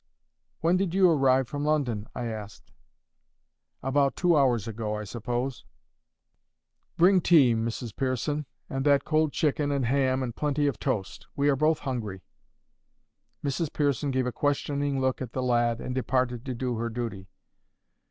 "When did you arrive from London?" I asked. "About two hours ago, I suppose." "Bring tea, Mrs Pearson, and that cold chicken and ham, and plenty of toast. We are both hungry." Mrs Pearson gave a questioning look at the lad, and departed to do her duty.